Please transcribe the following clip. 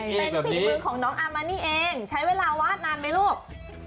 เป็นฝีมือของน้องอามานี่เองใช้เวลาวาดนานไหมลูก